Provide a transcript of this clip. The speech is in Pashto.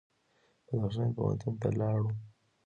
بدخشان پوهنتون ته لاړو.